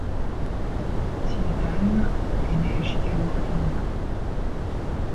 Timothy Zahn est né à Chicago, Illinois.